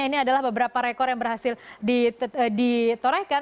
ini adalah beberapa rekor yang berhasil ditorehkan